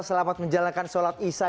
selamat menjalankan sholat isya